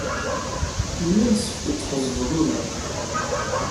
Yella yessefk ad tḥezzbeḍ ugar.